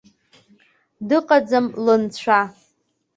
Дыҟаӡам лынцәа.